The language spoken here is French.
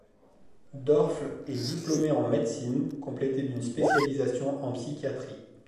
Dorfles est diplômé en médecine, complété d'une spécialisation en psychiatrie.